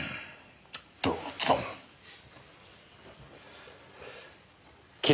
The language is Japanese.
どうぞ。